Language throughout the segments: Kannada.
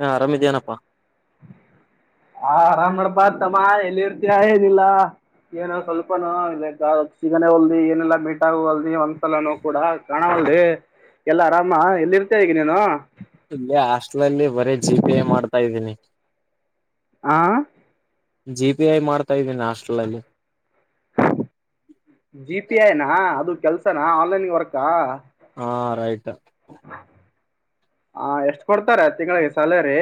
ಹ ಆರಾಮ ಇದ ಇದಿಯಾನಪ್ಪ ಹಾ ಅರಾಮ ನೋಡಪ್ಪ ತಮ್ಮ. ಲ್ಲಿ ಇರ್ತ ಏನಿಲ್ಲ ಏನು ಸ್ವಲ್ಪನು ಇಕ್ಷಿಗನ ಹೊಲ್ದಿ ಏನೆಲ್ಲಾ ಮೀಟಾಗ ಹೊಲ್ದಿ ಒಂದ್ಸಲನುೋ ಕೂಡ ಕಾಣ ಹೊಲ್ದಿ ಎಲ್ಲಾ ಆರಾಮ ಎಲ್ಲಿ ಇರ್ತೇ ಈಗ ನೀನು ಬರೇ ಜಿ ಪೇ ಮಾಡ್ತಾ ಇದ್ದೀನಿ. ಆ. ಜಿ ಪೇ ಮಾಡ್ತಾ - ಜಿ ಪೇ ಐನಾ ಅದು. ಕೆಲ್ಸನಾ ಆನ್ಲೈನ್ ವರ್ಕಾ. ಹಾ ರೈಟ್. ಹಾ ಎಷ್ಟ- ಕೊಡ್ತಾರ ತಿಂಗಳಿಗೆ ಸ್ಯಾಲರಿ.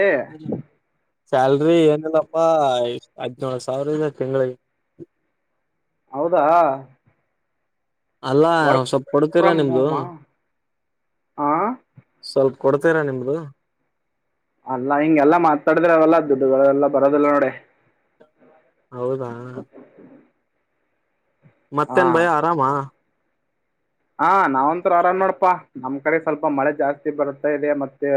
ಸ್ಯಾಲ್ರಿ ಏನಿಲ್ಲಪ್ಪಾ ಹದಿನೇಳು ಸಾವಿರ ಇದೆ ತಿಂಗಳಿಗೆ. ಹೌದಾ. ಅಲ್ಲಾ ವರ್ಕ್ ಸ್ವಪ ಕೊಡ್ತೀರಾ ಫ್ರಮ್ ನಿಮ್ದು ಹೋಮಾ ಆ ಸ್ವಲ್ಪ. ಕೊಡ್ತೀರಾ ನಿಮ್ದು. ಅಲ್ಲಾ ಹಿಂಗೆಲ್ಲಾ ಮಾತಾಡಿದ್ರೆ ಅವಲ್ಲ ದುಡ್ಡುಗಳೆಲ್ಲ ಬರದಲ್ಲ ನೋಡ. ಹೌದಾ. ಹಾ ಮತ್ತೇನ್ ಭಯ್ಯ ಆರಾಮ. ಹಾ ನಾವಂತ ಆರಾಮ್ ಮಾಡೋಡಪಾ ನಮ್ ಕಡೆ ಸ್ವಲ್ಪ ಮಳೆ ಜಾಸ್ತಿ ಬರ್ತಾ ಇದೆ ಮತ್ತೆ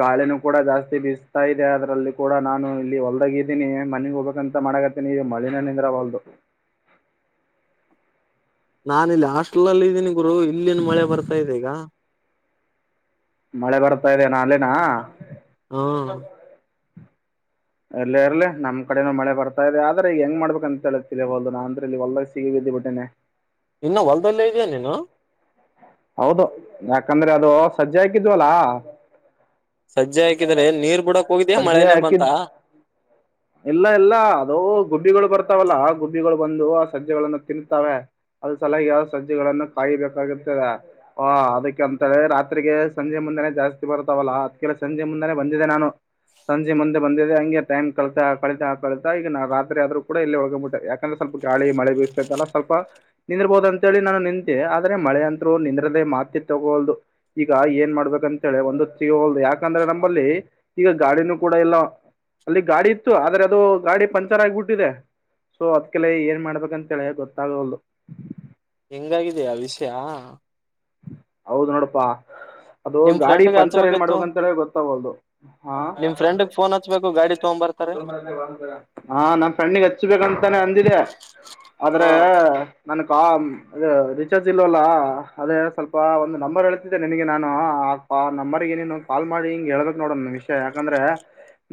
ಗಾಳಿನೂ ಕೂಡ ಜಾಸ್ತಿ ಬೀಸ್ತಾ ಇದೆ ಅದ್ರಲ್ಲಿ ಕೂಡ ನಾನು ಇಲ್ಲಿ ಹೊಲ್ದಾಗಿದ್ದೀನಿ ಮನೆಗ್ ಹೋಗ್ಬೇಕಂತ ಮಾಡಕತ್ತೀನಿ ಈ ಮಳಿನೆ ನಿಂದ್ರ ವಲ್ದು. ನಾನ್ ಇಲ್ಲಿ ಹಾಸ್ಟೆಲ್ನಲ್ಲಿ ಇದೀನಿ. ಗುರು ಇಲ್ಲಿನು ಮಳೆ ಬರ್ತಾ ಇದೆ ಈಗ. ಮಳೆ ಬರ್ತಾ ಇದೆ ನಾ ಅಲ್ಲಿನಾ. ಹ್ಮ್ ಇರ್ಲಿ ಇರ್ಲಿ ನಮ್ ಕಡೆನೂ ಮಳೆ ಬರ್ತಾಇದೆ ಆದ್ರೆ ಹೆಂಗ್ ಮಾಡ್ಬೇಕ ಅಂತ ತಿಳಿವಲ್ದು ನನ್ ಅಂತರ ಇಲ್ಲಿ ಹೊಲದಾಗ ಸಿಗಬಿದ್ದಿ ಬಿಟ್ಟಿನಿ. ಇನ್ನು ಹೊಲ್ದಲ್ಲೇ ಇದಿಯಾ ನೀನು. ಹೌದು ಯಾಕಂದ್ರೆ ಅದು ಸಜ್ಜೆ ಹಾಕಿದ್ವಲ್ಲ ಸಜ್ಜೆ ಹಾಕಿದ್ರೆ ನೀರ್ ಬಿಡಕ್ ಹೋಗಿದ್ಯಾ ಸಜ್ಜೆ ಮಳೆನೇ ಬಂತ ಹಾಕಿದ್ ಇಲ್ಲ ಇಲ್ಲ ಅದು ಗುಬ್ಬಿಗಳು ಬರತ್ ಇರ್ತವಲ್ಲ ಗುಬ್ಬಿಗಳು ಬಂದು ಆ ಸಜ್ಜಗಳಗಳನ್ನು ತಿನ್ತವೇ ಅದ್ರ ಸಲ ಯಾವ ಸಜ್ಜೆಗಳನ್ನು ಕಾಯಬೇಕಾಗಿರ್ತದ. ಹಾ ಅದಕ್ಕೆ ಅಂತಾನೇ ರಾತ್ರಿಗಿ ಸಂಜೆ ಮುಂದಾನೆ ಜಾಸ್ತಿ ಬರ್ತವಲ್ಲ ಅದ್ಕ ಸಂಜೆ ಮುಂದಾನೆ ಬಂದಿದೆ ನಾನು ಸಂಜೆ ಮುಂದೆ ಬಂದಿದೆ ಅಂಗೆ ಟೈಮ್ ಕಳಿತಾ ಕಳಿತಾ ಈಗ್ ನಾ ರಾತ್ರಿ ಅದ್ರು ಕೂಡ ಇಲ್ಲೇ ಉಲ್ಕೊಬಿಟ್ಟೆ ಯಾಕಂದ್ರೆ ಸ್ವಲ್ಪ ಗಾಳಿ ಮಳೆ ಬೀಸ್ತಾ ಇತ್ತಲ್ಲ ಸ್ವಲ್ಪ ನಿಂದ್ರ್ಬೋವ್ದು ಅಂತೇಳಿ ನಾನು ನಿಂತೆ ಆದ್ರೆ ಮಳೆ ಅಂತ- ನಿಂದ್ರದೆ ಮಾತಿ ತಗೋಲ್ದು ಈಗ ಏನ್ ಮಾಡ್ಬೇಕಂತೇಳಿ ಒಂದು ತಿಹೋಲ್ದು ಯಾಕಂದ್ರೆ ನಂಬಲ್ಲಿ ಈಗ ಗಾಡಿನೂ ಕೂಡ ಇಲ್ಲ ಅಲ್ಲಿ ಗಾಡಿ ಇತ್ತು ಆದ್ರೆ ಅದು ಗಾಡಿ ಪಂಚರ್ ಆಗ್ಬಿಟ್ಟಿದೆ ಸೊ ಅದ್ಕಲೆ ಏನ್ ಮಾಡ್ಬೇಕಂತೇಳಿ ಗೊತ್ತಾವಾಲ್ದು. ಇಂಗಾಗಿದಿಯಾ ವಿಷಯ ಹೌದ್ ನೋಡಪ್ಪಾ ಅದು ನಿಮ್ ಗಾಡಿ ಫ್ರೆಂಡ್ಗೆ ಪಂಚರ್ ಏನ್ ಹಚ್ಬೇಕಿತ್ತು ಮಾಡ್ಬೇಕಂತ ಗೊತ್ತಾಗಲ್ದು ಹಾ ನಿಮ್ ಫ್ರೆಂಡ್ಗ್ ಫೋನ್ ಹಚ್ಬೇಕು ಗಾಡಿ ತಗೊಂಬರ್ತಾರೆ ನನ್ ಫ್ರೆಂಡಿಗೆ ಹಚ್ಬೇಕಂತಾನೆ ಅಂದಿದೆ ಹ ಆದ್ರೆ ನನ್ಗ್ ಹ್ಮ್ ರಿಚಾರ್ಜ್ ಇಲ್ಲವಲ್ಲ ಅದೇ ಸ್ವಲ್ಪ ಒಂದು ನಂಬರ್ ಹೇಳ್ತಿದ್ದೆ ನಿನಗೆ ನಾನು ಆ ನಂಬರ್ಗೆ ನೀನು ಕಾಲ್ ಮಾಡಿ ಹಿಂಗೆ ಹೇಳಬೇಕ್ ನೋಡೋ ನನ್ನ ವಿಷಯ ಯಾಕಂದ್ರೆ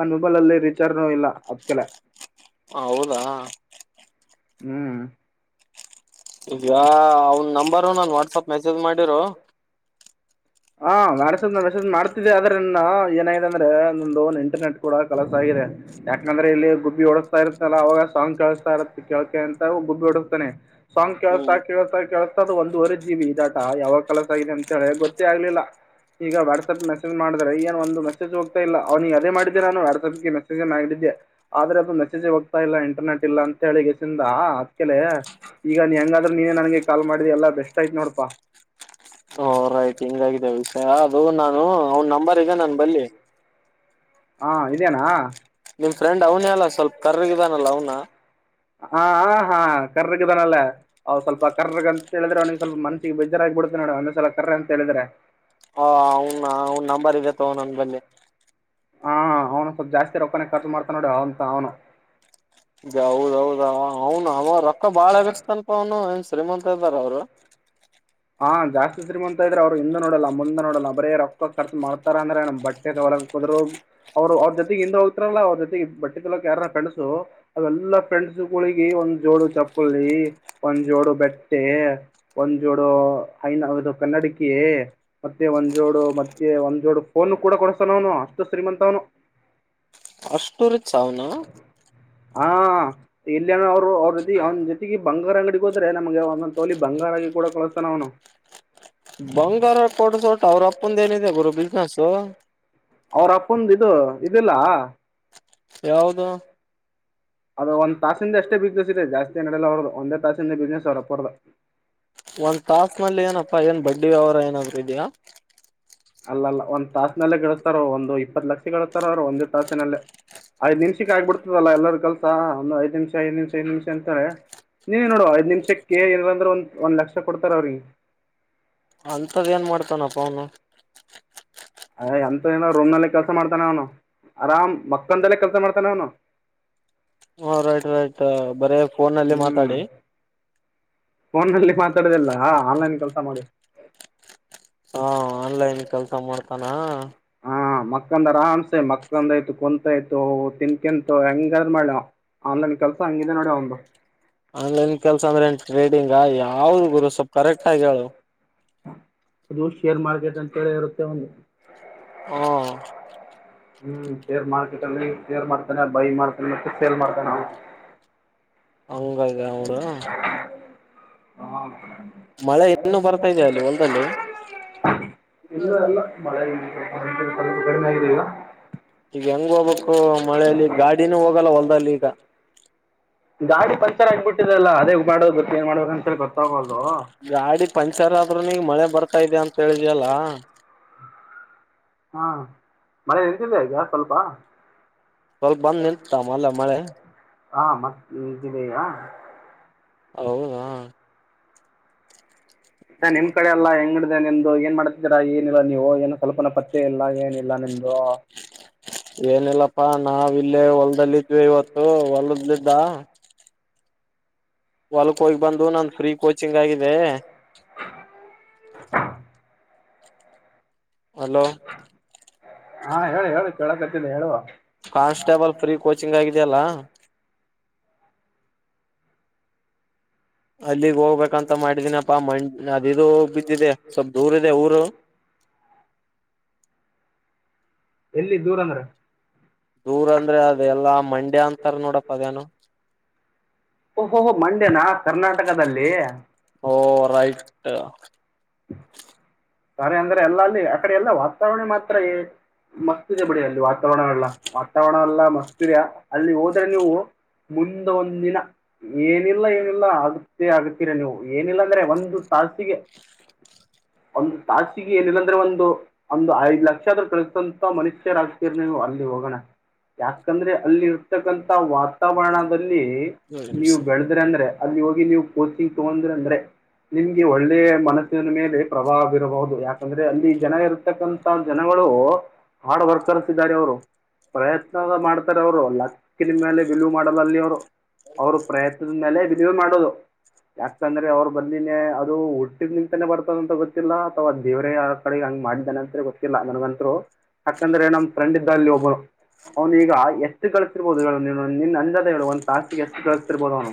ನನ್ನ ಮೊಬೈಲ ಅಲ್ಲಿ ರೀಚಾರ್ಜ್ ಇಲ್ಲ ಅದ್ಕಲೆ ಹೌದಾ ಹ್ಮ್ ಈಗಾ ಅವನು ನಂಬರ್ ನಾನು ವಾಟ್ಸ್ಆಪ್ ಮೆಸೇಜ್ ಮೆಸೇಜ್ ಮಾಡಿರು ಹಾ ವಾಟ್ಸಪ್ಪ್ ಮೆಸೇಜ್ ಮಾಡ್ತಿದ್ದ ಅದ್ರ ನಾನು ಏನಗಿದೆ ಅಂದ್ರೆ ಒಂದು ಇಂಟರ್ನೆಟ್ ಕೂಡ ಕಲಸ್ ಆಗಿದೆ ಯಾಕಂದ್ರೆ ಇಲ್ಲಿ ಗುಬ್ಬಿ ಹೊಡಸ್ತಾ ಇರತ್ತಲ್ಲ ಅವಾಗ ಸಾಂಗ್ ಕೇಳಿಸ್ತಾ ಇರತ್ತ ಕೇಳ್ಕೆ ಇಂದ ಗುಬ್ಬಿ ಓಡಿಸಸ್ತಾನೆ ಸಾಂಗ್ ಕೇಳಿಸ್ತಾ ಹ್ಮ್ ಕೇಳಸ್ತಾ ಕೇಳಿಸ್ತಾ ಅದು ಒಂದ್ವರೆ ಜೀಬಿ ಟಾ ಯಾವಾಗ ಕಲಸ್ ಆಗಿದೆ ಅಂತ ಹೇಳ ಗೊತ್ತ ಗೊತ್ತೇ ಆಗ್ಲಿಲ್ಲ ವಾಟ್ಸಾಪ್ ಮೆಸೇಜ್ ಮಾಡಿದ್ರೆ ಏನ್ ಒಂದು ಮೆಸೇಜ್ ಹೋಗ್ತಾ ಇಲ್ಲ ಅವ್ನಿಗ ಅದೇ ಮಾಡಿದ್ದೆ ನಾನು ವಾಟ್ಸಪ್ಗೆ ಮೆಸೇಜ ಮಾಡಿದ್ದೆ ಆದ್ರೆ ಅದು ಮೆಸೇಜ್ ಹೋಗ್ತಾ ಇಲ್ಲ ಇಂಟರ್ನೆಟ್ ಇಲ್ಲ ಅಂತ ಹೇಳಿ ಗಸಿಂದ ಅದ್ಕಲೆ ಈಗ ಹೆಂಗಾದ್ರರು ನೀನೇ ನನ್ಗೆ ಕಾಲ್ ಮಾಡಿದೆ ಎಲ್ಲಾ ಬೆಸ್ಟ್ ಆಯ್ತ್ ನೋಡಪಾ ಅಲ್ಲಾ ಹಿಂಗಾಗಿದೆ ವಿಷಯ ಅದು ನಾನು ಅವನ್ ನಂಬರ್ ಇದೆ ನನ್ ಬಲ್ಲಿ ಹಾ ಇದೇನಾ ನೀಮ್ ಫ್ರೆಂಡ್ ಅವನೆ ಅಲ್ಲ ಸ್ವಲ್ಪ ಕರ್ರಗಿದನ್ ಅವ್ನ ಹ ಹಾ ಕರ್ರಗದಾನಲ್ಲೇ ಅವ್ ಸ್ವಲ್ಪ ಕರ್ರಗ್ ಅಂತ ಹೇಳಿದ್ರೆ ಅವನಿಗೆ ಸ್ವಲ್ಪ ಮನಸ್ಗೆ ಬೇಜಾರ ಆಗ್ಬ ಬಿಡ್ತೆ ನೋಡ ಒಂದ್ಸಲ ಕರ್ರ ಅಂತ ಹೇಳಿದ್ರೆ ಹ ಅವನ್ ಅವನ್ ನಂಬರ್ ಇದೆ ತಕೊಂದ್ ಹೋಗ್ ಬಾ ಬಲ್ಲಿ ಹಾ ಅವನು ಸ್ವಲ್ಪ ಜಾಸ್ತಿ ರೊಕ್ಕಾನ ಖರ್ಚು ಮಾಡ್ತ ನೋಡಿ ಅಂತ ಅವನು ಇದ ಹೌದೌದ ಅವನು ಅವ ರೊಕ್ಕ ಬಾಳಗಿಸಸ್ತನಪ ಅವನು ಏನ್ ಶ್ರೀಮಂತ ಇದ್ದಾರ ಅವರು ಹಾ ಜಾಸ್ತಿ ಶ್ರೀಮಂತ ಇದ್ರೆ ಅವ್ರು ಹಿಂದ ನೋಡಲ್ಲ ಮುಂದೆ ನೋಡಲ್ಲ ಬರೇ ರೊಕ್ಕ ಖರ್ಚು ಮಾಡ್ತಾರ ಅಂದ್ರೆ ನಮ್ ಬಟ್ಟೆ ತಗಲಕ್ ಹೋದ್ರು ಅವ್ರು ಅವ್ರ ಜೊತೆಗೆ ಹಿಂದ ಹೋಗ್ತಾರಲ್ಲಾ ಅವ್ರ ಜೊತೆಗೆ ಬಟ್ಟೆ ತಲಕ ಯಾರ ಫ್ರೆಂಡ್ಸೃ ಅವೆಲ್ಲ ಫ್ರೆಂಡ್ಸ್ಗಳಿಗೆ ಒಂದ್ ಜೋಡು ಚಪ್ಪಳಿ ಒಂದ್ ಜೋಡು ಬೆಟ್ಟೆ ಒಂದ್ ಜೋಡು ಐನ ಹೌದು ಕನ್ನಡಕಿ ಮತ್ತೆ ಒಂದ್ ಜೋಡು ಮತ್ತೆ ಒಂದ್ ಜೋಡು ಫೋನ್ ಕೂಡ ಕೊಡಿಸತಾನ ಅವನು ಅಷ್ಟು ಶ್ರೀಮಂತ ಅವನು ಅಷ್ಟು ರೀಚ್ ಅವನು ಹಾ ಇಲ್ಲಿನ ಅವ್ರು ಅವ್ರ ಅವನ್ ಜೊತೆಗೆ ಬಂಗಾರ ಅಂಗಡಿಗೆ ಹೋದ್ರೆ ನಮ್ಗೆ ಒಂದೊಂದ್ ತೋಲಿ ಬಂಗಾರಗ ಕೂಡ ಕೊಡಿಸ್ತಾನೆ ಅವ್ನು ಬಂಗಾರ ಕೋಡ್ಸೋಡ್ ಅವ್ರ ಅಪ್ಪಂದ ಏನಿದೆ ಗುರು ಬಿಸಿನೆಸ್ ಅವ್ರ ಅಪ್ಪಂದ್ ಇದು ಇದಿಲ್ಲ ಯಾವುದು ಅದು ಒಂದ ತಾಸಿಂದ ಎಷ್ಟೇ ಬಿಸ್ನೆಸ್ ಇದೆ ಜಾಸ್ತಿ ಅಂಗಡಡೆಲ್ಲ ಹೊರದು ಒಂದೇ ತಾಸಿಂದ ಬಿಸ್ನೆಸ್ ಅವ್ರ್ ಅಪ್ಪರೋದು ಒಂದ್ ತಾಸ್ ಮಲ್ಲಿ ಏನಪ್ಪಾ ಏನ್ ಬಡ್ಡಿ ವ್ಯವಹಾರ ಏನಾದ್ರು ಇದ್ದೀಯ ಅಲ್ಲಲ್ಲ ಒಂದ್ ತಾಸನೆಲ್ಲೇ ಗಳಿಸಸ್ತಾರ ಒಂದು ಇಪ್ಪತ್ ಲಕ್ಷ ಗಳಿಸತಾರ ಅವ್ರು ಒಂದೇ ತಾಸಿನಲ್ಲ ಐದ್ ನಿಮಷಕ್ ಆಗ್ಬಿಡ್ತದಲ್ಲಾ ಎಲ್ಲರ ಕೆಲ್ಸ ಒಂದು ಐದು ನಿಮಿಷ ಐದ್ ನಿಮಿಷ ಏದ್ ನಿಮಿಷ ಅಂತೇಳೆ ನೀ ನೋಡು ಐದ್ ನಿಮಿಷಕ್ಕೆ ಏನಾದ್ರು ಅಂದ್ರೆ ಒಂದ್ ಒಂದ್ ಲಕ್ಷ ಕೊಡ್ತಾರ ಅವ್ರಿಗೆ ಅಂತದ ಏನ್ ಮಾಡ್ತಾನಪ್ಪ ಅವನು ಅಯ ಎಂತ ಏನ ರೂಮ್ನಲ್ಲ ಕೆಲ್ಸ ಮಾಡ್ತಾನೆ ಅವನು ಆರಾಮ್ ಮಕ್ಕದಲ್ಲೇ ಕೆಲ್ಸ ಮಾಡ್ತಾನೆ ಅವನು ಹಾ ರೈಟ್ ರೈಟ್ ಬರೇ ಫೋನ್ಲ್ಲಿ ಹ್ಮ್ ಮಾತಾಡಿ ಫೋನಲ್ಲಿ ಮಾತಾಡೋದಿಲ್ಲ ಆನ್ಲೈನ್ ಕೆಲಸ ಮಾಡಿ ಹಾ ಆನ್ಲೈನ್ ಕೆಲ್ಸ ಮಾಡ್ತ ತನ್ನ ಮಕ್ಕಂದರ ಅನ್ಸೆ ಮಕ್ಕಂದಾಯ್ತು ಕುಂತಾಯ್ತು ತಿನ್ಕಂತು ಹೆಂಗಾದ ಮಾಡ್ ಆನ್ಲೈನ್ ಕೆಲ್ಸ ಹಂಗಿದೆ ನೋಡ ಅವಂದು ಆನ್ಲೈನ್ ಕೆಲಸ ಅಂದ್ರ ಏನ್ ಟ್ರೇಡಿಂಗ್ ಈಗ ಯಾವ್ರ ಗುರು ಸೊಪ್ಪ ಕರೆಕ್ಟ್ ಆಗಿ ಹೇಳು ಅದು ಶೇರ್ ಮಾರ್ಕೆಟ್ ಅಂತೇಳ ಇರುತ್ತೆ ಒಂದು. ಹಾಂ ಹ್ಮ್ ಶೇರ್ ಮಾರ್ಕೆಟ್ ಅಲ್ಲಿ ಶೇರ್ ಮಾಡ್ತಾನೆ ಅ ಬೈ ಮಾಡ್ತಾನೆ ಮತ್ತೆ ಸೇಲ್ ಮಾಡ್ತಾನ ಅವ. ಹಂಗಗ ಅವರು. ಹಾ. ಮಳೆ. ಇನ್ನು ಬರ್ತಾ ಇದೆಯ ಅಲ್ಲಿ ಒಂದಲ್ಲಿ. [inaudible] ಇಲ್ಲ ಎಲ್ಲ ಮಳೆ ಇಲ್ಲ. ಕಡಿಮೆ ಆಗಿದೆ ಈಗ. ಹೆಂಗಬಬೇಕು. ಮಳೇಲಿ ಗಾಡಿನೂ ಹೋಗಲ್ಲ ಹೊಲ್ದಲ್ಲಿ ಈಗ. ಗಾಡಿ ಪಂಚರ್ ಆಗ್ಬಿಟ್ಟಿದೆಲ್ಲ ಅದೇ ಮಾಡದು ನ್ ಮಾಡೋ ಅಂತ ಗೊತ್ತಾಗೋ ಗಾಡಿ ಪಂಚರ್ ಆದ್ರೂ ನೀಗ್ ಮಳೆ ಬರ್. ಆಗ್ತಾ ಇದದೆ ಅಂತ ಹೇಳಿದ್ಯಲ್ಲ. ಹಾ ಮಳೆ ಇರ್ದಿಲ್ಲ ಆಯಗಾ ಸ್ವಲ್ಪ. ಸ್ವಲ್ಪ ಬಂದ್ ನಿತ ಮಲ್ಲ ಮಳೆ. ಹಾ ಮತ್ತೆ ಈಗಿದಯಾ. ಹೌದಾ. ಇ ನಿಮ್ ಕಡೆ ಎಲ್ಲ ಹೆಂಗನಡದಾ. ನಿಂದು ಏನ್ ಮಾಡ್ತಿದ್ದೀರಾ ಏನಿಲ್ಲ ನೀವು ಏನು ಸ್ವಲ್ಪನ ಪತ್ತೆ ಇಲ್ಲ. ಏನಿಲ್ಲ ನಿಮ್ದು ಏನಿಲ್ಲಪ್ಪಾ ನಾವ ಇಲ್ಲೇ ಹೊಲದಲ್ಲಿದ್ವಿ ಇವತ್ತು ಹೊಲದಲಿದ್ದ. ಜೀವನ. ವಲ್ಕೋಗಿ ಬಂದು ನಂದು ಫ್ರೀ ಕೋಚಿಂಗ್ ಆಗಿದೆ. ಹಲೋ. ಹಾ ಹೇಳಿ ಹೇಳಿ ಕೇಳಕತ್ತಿಲ್ಲ ಹೇಳುವ. ಕಾನ್ಸ್ಟೇಬಲ್ ಫ್ರೀ ಕೋಚಿಂಗ್ ಆಗಿದೆಯಲ್ಲಾ. ಅಲ್ಲಿಗ್ ಹೋಗ್ಬೇಕಂತ ಮಾಡಿದೀನಪ್ಪಾ ಮಂಡ ಅದದು ಬಿದ್ದಿದೆ ಸ್ವಲ್ ದೂರ ಇದೆ ಊರು. ಎಲ್ಲಿ ದೂರಂದ್ರೆ. ದೂರ ಅಂದ್ರೆ ಅದ ಎಲ್ಲಾ ಮಂಡ್ಯ ಅಂತಾರ ನೋಡಪ್ಪ ಅದೇನ. ಓಹೋಹೋ ಮಂಡ್ಯನಾ ಕರ್ನಾಟಕದಲ್ಲಿ. ಓ ರೈಟ್ ಹಾ. ಸಾರೆ ಅಂದ್ರೆ ಅಲ್ಲ ಅಲ್ಲಿ ಆ ಕಡೆ ಎಲ್ಲ ವಾತಾವರಣ ಮಾತ್ರ ಮಸ್ತ್ ಇದೆ ಬಿಡಿ ಅಲ್ಲಿ. ವಲ್ಲ ವಾತಾವರಣವಲ್ಲತ್ತ. ಆಗ್ತೀರಾ ಅಲ್ಲಿ ಹೋದ್ರೆ ನೀವು ಮುಂದ ಒಂದ ದಿನ ಏನಿಲ್ಲ ಏನಿಲ್ಲ ಆಗುತ್ತ ಆಗತೀರಾ ನೀವು ಏನಿಲ್ಲ ಅಂದ್ರೆ ಒಂದು ತಾಸಿಗೆ ಒಂದು ತಾಸಿಗೆ ಏನಿಲ್ಲಾಂದ್ರೆ ಒಂದು ಒಂದು ಐದ್ ಲಕ್ಷ ಆದ್ರೂ ಕಳಿತಂತ ಮನುಷ್ಯರ ಆಗ್ತಿರ ನೀವು ಅಲ್ಲಿ ಹೋಗೋಣ ಯಾಕಂದ್ರೆ ಅಲ್ಲಿ ಇರ್ತಕ್ಕಂತಥ ವಾತಾವರಣದ. ಅಲ್ಲಿ ನೀವು ಬೆಳದ್ರೆ ಅಂದ್ರೆ. ಅಲ್ಲಿ ಹೋಗಿ ನೀವು ಕೋಚಿಂಗ್ ತಗೊಂಡ್ರ ಅಂದ್ರೆ ನಿಮ್ಗೆ ಒಳ್ಳೆಯ ಮನಸ್ಸಿನ ಮೇಲೆ. ಪ್ರಭಾವ ಬರಬಹುದು ಯಾಕಂದ್ರೆ ಅಲ್ಲಿ ಜನ ಇರತಕ್ಕಂ ಜನಗಳು ಹಾರ್ಡ್ ವರ್ಕರ್ಸ್ ಇದ್ದಾರೆ ಅವರು ಪ್ರಯತ್ನ ಮಾಡ್ತಾರೆ ಅವರು ಲಕ್ಕಿನ ಮೇಲೆ ಬಿಲವ ಮಾಡದ ಅಲ್ಲಿ ಅವ್ರು ಅವರು ಪ್ರಯತ್ನದ ಮೇಲೆ ಬಿಲವ ಮಾಡೋದು ಯಾಕಂದ್ರೆ ಅವರು ಬಂದೇ ಅದು ಹುಟ್ಟಿದ ನಿಂತಾನೇ ಬರ್ತಾರೆ. ಯಾರು ಅಂತ ಗೊತ್ತಿಲ್ಲ ಅಥವಾ ದೇವರೇ ಯರ ಕಡೆಗೆ ಹಂಗ ಮಾಡಿದಾನ ಅಂತ ಗೊತ್ತಿಲ್ಲ ನನಗಂತೂ ಯಾಕಂದ್ರೆ ನಮ ಫ್ರೆಂಡ್ ಇದ್ದ ಅಲ್ಲಿ ಒಬ್ಬ ಅವ್ನು ಈಗ ಎಷ್ಟು ಗಳಸತಿದ್ದ ರ್ಬಹುದು ಹೇಳ ನೀ ನಿನ್ ಅಂದಾಜು ಹೇಳು ಒಂದ್ ತಾಸಿಗೆ ಎಚ್ಚು ಗಳಸ್ಥಳ್ರ್ಬೋುದು ಅವನು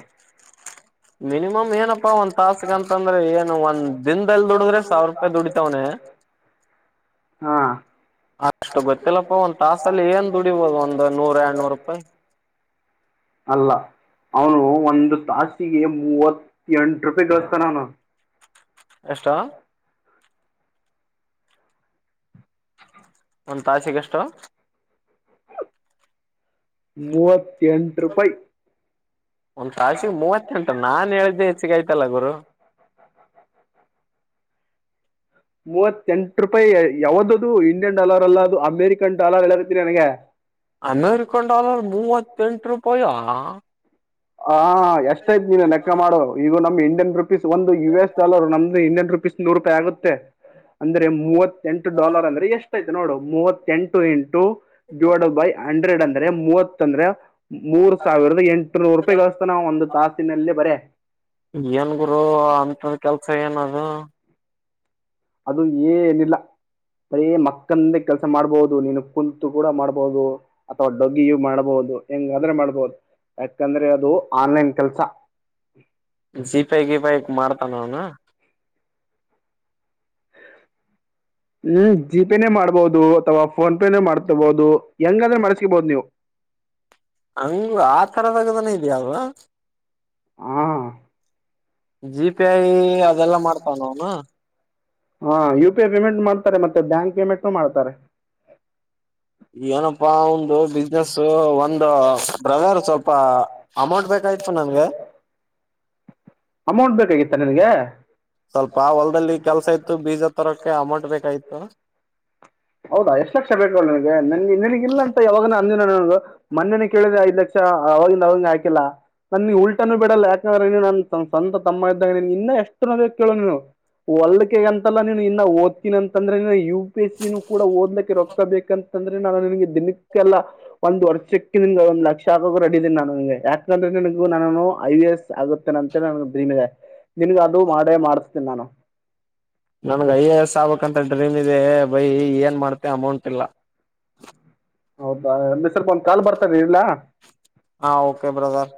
ಮಿನಿಮಮ್ ಏನಪ್ಪಾ ಒಂದ್ ತಾಸಗಂತಂದ್ರೆ ಏನು ಒಂದ್ ದಿನ ಹಾ ಅಷ್ಟು ಗೊತ್ತಿಲ್ಲಪ್ಪ ಒಂದ್ ತಾಸಲ್ಲಿ ಏನ್ ದುಡಿಬೋದು ಒಂದ್ ನೂರ ಎರಡ್ ನೂರು ರೂಪಾಯಿ ಅಲ್ಲ ಅವನು ಒಂದು ತಾಸಿಗೆ ಮೂವತ್ತೆಂಟು ರೂಪಾಯಿ ಗಳಿಸ್ತಾನ ಅವನು ಎಷ್ಟಾ ಒಂದ್ ತಾಸಿಗೆ ಎಷ್ಟು ಮೂವತ್ತೆಂಟು ರೂಪಾಯಿ ಒಂದ್ ತಾಸಿಗೆ ಮೂವತ್ತೆಂಟು ನಾನ್ ಹೇಳ್ದೆ ಹೆಚ್ಚಿಗೆಯ್ತಲ್ಲ ಗುರು ಮೂವತ್ತೆಂಟು ರೂಪಾಯಿ ಯಾವ್ದ ಇಂಡಿಯನ್ ಡಾಲರ್ ಅಲ್ಲ ಅದು ಅಮೆರಿಕ ಎಂಟು ಡಾಲರ್ ಹೆಳಲಿದರಿ ನನಗೆ ಅನ್ನರಿಕೊಂಡಲರ್ ಮೂವತ್ತು ಪಂಟರುಪಯಾ ಆ ಆ ಎಷ್ಟೈ್ತು ನೀನು ಲೆಕ್ಕ ಮಾಡೋ ಈಗದು ನಮ್ಮ್ ಇಂಡಿಯನ್ ರುಪೀಸ್ ಒಂದು ಯು ಎಸ್ ಡಾಲರ್ ನಮ್ದು ಇಂಡಿಯನ್ ರುಪೀಸ್ ನೂರು ರೂಪಾಯಿ ಆಗುತ್ತೆ ಅಂದ್ರೆ ಮೂವತ್ತು ಎಂು ಡಾಲರ್ ಅಂದ್ರ ಎಷ್ಟು ಇದೆ ನೋಡು ಮೂವತ್ತ ಎಂಟು ಎಂಟು ಟು ಡಿವೈಡೆಡ ಬೈ ಹಂಡ್ರೆಡ್ ಅಂತ ಅದೇ ಮೂವತ್ತ ಅಂದ್ರೆ ಮೂರು ಸಾವಿರ. ಎರಡು ನೂರು ರೂಪಾಯಿ ಗಳಿಸುತ್ತಾನೆ ಒಂದು ತಾಸಿನಲ್ಲಿ ಬರೆ. ಏನ್ ಗುರು, ಅಂತ. ಕೆಲ್ಸ ಏನದು? ಅದು ಏನಿಲ್ಲ, ಬರೆ ಮಕ್ಕಂದ ಕೆಲ್ಸ ಮಾಡ್ಬಹುದು, ನೀನು ಕುಂತು ಕೂಡ ಮಾಡ್ಬಹುದು, ಅಥವಾ ಡಗ್ಗಿಯು ಮಾಡ್ಬಹುದು, ಹೆಂಗಾದ್ರೆ ಮಾಡ್ಬಹುದು, ಯಾಕಂದ್ರೆ ಅದು ಆನ್ಲೈನ್ ಕೆಲ್ಸ. ಜಿಫೈ, ಗಿಫೈ, ಮಾಡ್ತಾನ ಅವನ. ಹ್ಮ್ ಜಿ. ಪೆನ್ನೆ ಮಾಡಬಹುದು ಅಥವಾ, ಫೋನ್ ಪೇನೇ ಮಾಡ್ತೀಬೋದು. ಹೆಂಗಂದ್ರೆ ಮಡ್ಸ್ಕಿಬೋದು್ ನೀವು. ಹಂಗ್, ಆ ತರದಾಗರೆ. ಎಲ್ಲಾ. ಹಾ, ಜಿ ಪಿ ಐ, ಅದೆಲ್ಲ ಮಾಡ್ತನವನು. ಹಾ, ಯು ಪಿ ಐ ಪೇಮೆಂಟ್ ಮಾಡ್ತಾರೆ ಮತ್ತೆ ಬ್ಯಾಂಕ್ ಪೇಮೆಂಟ್ ನು ಮಾಡ್ತಾರೆ. ಏನಪ್ಪಾ ಅವಂದು ಬಿಸ್ನೆಸ್, ಒಂದು, ಬ್ರದರ್ ಸ್ವಲ್ಪ ಅಮೌಂಟ್ ಬೇಕಾಗಿತ್ತು ನನ್ಗೆ. ಅಮೌಂಟ್ ಬೇಕಾಗಿತ್ತ ನಿನ್ಗೆ! ಸ್ವಲ್ಪ ಹೊಲದಲ್ಲಿ ಕೆಲ್ಸ ಇತ್ತು, ಬೀಜ ತರೋಕೆ, ಅಮೌಂಟ್ ಬೇಕಾಗಿತ್ತು. ಹೌದಾ ಎಷ್ಟ್ ಲಕ್ಷ ಬೇಕು ನಿಂಗೆ ನನ್ ನಿನಗೆ ಇಲ್ಲ ಅಂತ ಯಾವಾಗನ ಅಂದಿನ ನಾನು, ಮೊನ್ನೆ ಕೇಳಿದ್ರೆ ಐದ್ ಲಕ್ಷ ಅವಾಗಿಂದ ಅವಗೆ ಹಾಕಿಲ್ಲ, ನನ್ ಉಲ್ಟನುೂ ಬಿಡಲ್ಲ, ಯಾಕಂದ್ರ ನೀ ನನ್ ಸ್ವಂತ ತಮ್ಮ ಇದ್ದಂಗೆ, ಇನ್ನು ಎಷ್ಟು ನ್ನ ಬೇಕು ಕೇಳು ನೀನು. ಹೊಲಿಕೆ ಅಂತಲ್ಲ ನೀನ್ ಇನ್ನು ಓದುತ್ತಿನಂದ್ರೀ ಯು, ಪಿ, ಎಸ್, ಸಿ. ನೀನು ಕೂಡ ಓದ್ಲಿಕ್ಕೆ ರೋಕ್ಕ ಬೇಕಂತಂದ್ರೆ, ನಾನು ನಿನ್ ದಿನಕ್ಕೆಲ್ಲಾ ಒಂದ್ ವರ್ಷಕ್ಕೆ ನಿನ್ಗ ಒಂದ್ ಲಕ್ಷ ಆದರೂ ಹಾಕಕ್ಕೆ ರೆಡಿ ಇದೀನಿ. ಯಾಕಂದ್ರೆ ನಿನಗೂ, ನಾನನು ಐ ಎ ಎಸ್ ಆಗುತ್ತೇನೆ ಅಂತ ನನ್ ದ್ ಡ್ರೀಮ್ ಇದೆ. ನಿನಗೆ ಅದು, ಮಾಡೇ ಮಾಡಿಸ್ತೇನೆ ನಾನು. ನಂಗೆ ಐ ಎ ಎಸ್ ಆಗಬೇಕಂತ ಡ್ರೀಮ್ ಇದೆ. ಬೈ ಏ ಏ, ಏನ್ ಮಾಡ್ತಿ ಅಮೌಂಟ್ ಇಲ್ಲ. ಹೌದಾ ಅಂದ್ರೆ. ಸ್ವಲ್ಪ ಒಂದ ಕಾಲ್ ಬರ್ತದೆ ಇಡ್ಲಾ. ಹಾ ಓಕೆ ಬ್ರದರ್.